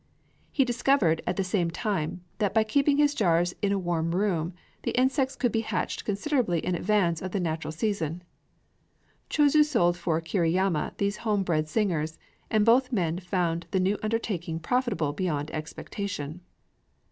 He discovered, at the same time, that, by keeping his jars in a warm room, the insects could be hatched considerably in advance of the natural season. Chūzō sold for Kiriyama these home bred singers; and both men found the new undertaking profitable beyond expectation.